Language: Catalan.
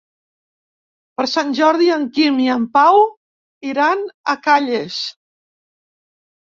Per Sant Jordi en Quim i en Pau iran a Calles.